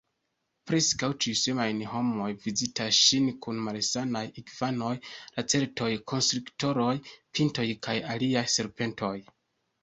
Preskaŭ ĉiusemajne homoj vizitas ŝin kun malsanaj igvanoj, lacertoj, konstriktoroj, pitonoj kaj aliaj serpentoj.